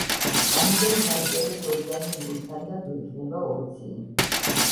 ამიტომ დავწეროთ ორიანი ნულთან და გვექნება ოცი.